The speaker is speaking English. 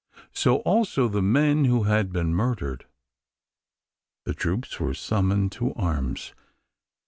So also the men who had been murdered. The troops were summoned to arms.